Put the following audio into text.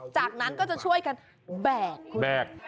จากนั้นก็จะช่วยกันแบกแบก